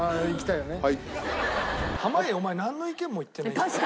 濱家お前なんの意見も言ってないんだよ。